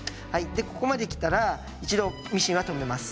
でここまで来たら一度ミシンは止めます。